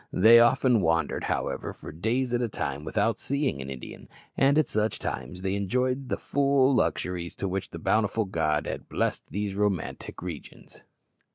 They often wandered, however, for days at a time without seeing an Indian, and at such times they enjoyed to the full the luxuries with which a bountiful God had blessed these romantic regions.